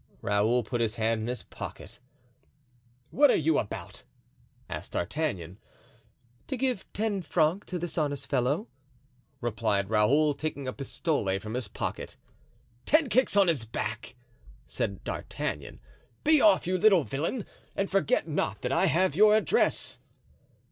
Raoul put his hand in his pocket. "What are you about?" asked D'Artagnan. "To give ten francs to this honest fellow," replied Raoul, taking a pistole from his pocket. "Ten kicks on his back!" said D'Artagnan; "be off, you little villain, and forget not that I have your address."